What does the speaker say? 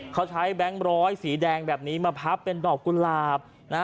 เขาใช้แบงค์ร้อยสีแดงแบบนี้มาพับเป็นดอกกุหลาบ